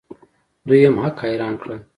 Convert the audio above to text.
دوی هم هک حیران کړل.